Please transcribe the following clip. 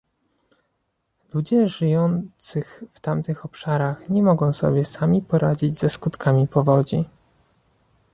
Ludzie żyjących w tych obszarach nie mogą sobie sami poradzić ze skutkami powodzi